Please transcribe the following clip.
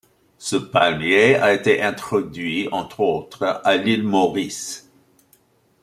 Ce palmier a été introduit, entre autres, à l'île Maurice.